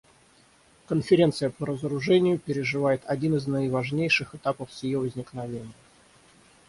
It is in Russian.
Конференция по разоружению переживает один из наиважнейших этапов с ее возникновения.